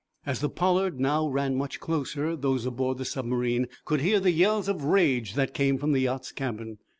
As the "Pollard" now ran much closer, those aboard the submarine could hear the yells of rage that came from the yacht's cabin.